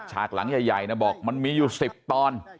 ฉากหลังใหญ่นะบอกมันมีอยู่๑๐ตอน